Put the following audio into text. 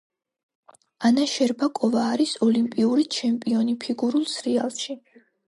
ანა შერბაკოვა არის ოლიმპიური ჩემპიონი ფიგურულ სრიალში.